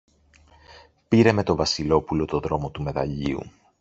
πήρε με το Βασιλόπουλο το δρόμο του μεταλλείου